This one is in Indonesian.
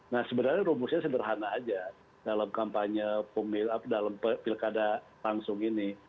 nah sebenarnya rumusnya sederhana aja dalam kampanye dalam pilkada langsung ini